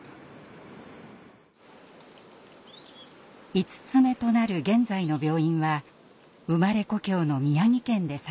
５つ目となる現在の病院は生まれ故郷の宮城県で探しました。